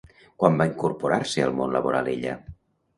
Quan va incorporar-se al món laboral ella?